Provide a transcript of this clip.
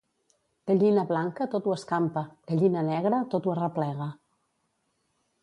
Gallina blanca, tot ho escampa; gallina negra, tot ho arreplega.